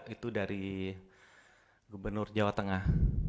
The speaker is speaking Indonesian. itu dari gubernur jawa tengah